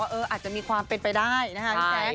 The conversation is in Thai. อาจจะมีความเป็นไปได้นะคะพี่แจ๊ค